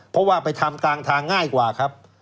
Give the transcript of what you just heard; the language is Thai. เพราะว่าไปทำกลางทางง่ายกว่าครับ